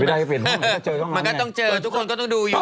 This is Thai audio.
มันก็ต้องเจอทุกคนก็ต้องดูอยู่